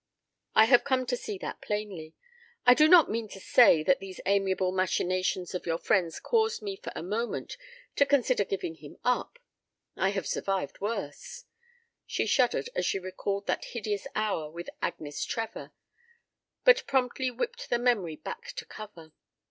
I have come to see that plainly. I do not mean to say that these amiable machinations of your friends caused me for a moment to consider giving him up. I have survived worse " She shuddered as she recalled that hideous hour with Agnes Trevor, but promptly whipped the memory back to cover.